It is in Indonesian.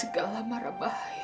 iskandar juga basis muzika